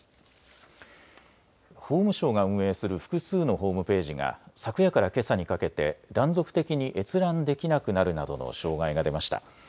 法務省が運営する複数のホームページが昨夜からけさにかけて断続的に閲覧できなくなるなどの障害が出ました。